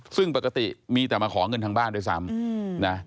ซึ่งปกติมีแต่มาขอเงินทางบ้านด้วยซ้ำนะ